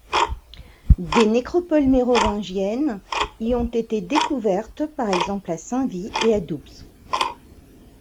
Des nécropoles mérovingiennes y ont été découvertes par exemple à Saint-Vit et à Doubs.